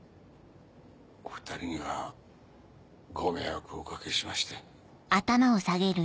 お２人にはご迷惑をおかけしまして。